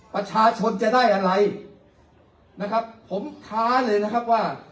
ประชาชนจะได้อะไรนะครับผมท้าเลยนะครับว่า